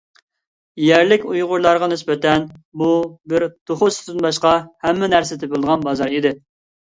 يەرلىك ئۇيغۇرلارغا نىسبەتەن، بۇ بىر «توخۇ سۈتىدىن باشقا ھەممە نەرسە تېپىلىدىغان بازار» ئىدى.